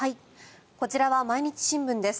こちらは毎日新聞です。